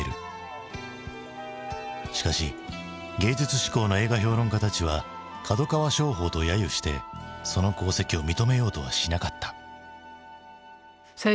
しかし芸術志向の映画評論家たちは「角川商法」と揶揄してその功績を認めようとはしなかった。